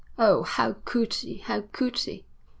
Oh, how could he! How could he!'